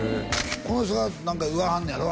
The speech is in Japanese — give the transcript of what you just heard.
この人が何か言わはんねやろ？